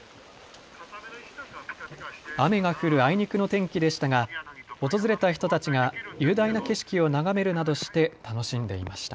雨が降るあいにくの天気でしたが訪れた人たちが雄大な景色を眺めるなどして楽しんでいました。